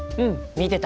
見てた。